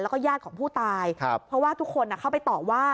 แล้วก็ญาติของผู้ตายเพราะว่าทุกคนเข้าไปต่อว่า